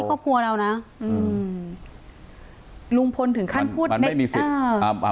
นี่ก็พวกเราน่ะอืมลุงพลถึงขั้นพูดมันไม่มีสิทธิ์